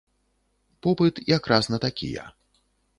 Попыт якраз на такія.